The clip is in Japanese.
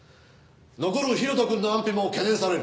残る広斗くんの安否も懸念される。